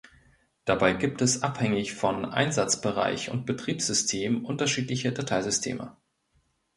Dabei gibt es abhängig von Einsatzbereich und Betriebssystem unterschiedliche Dateisysteme.